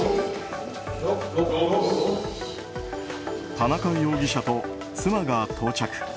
田中容疑者と妻が到着。